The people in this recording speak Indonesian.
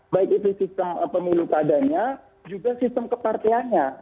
baik itu sistem pemilu keadaannya juga sistem kepartiannya